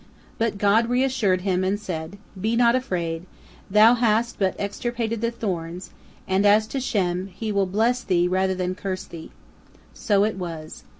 But God reassured him, and said: "Be not afraid! Thou hast but extirpated the thorns, and as to Shem, he will bless thee rather than curse thee." So it was.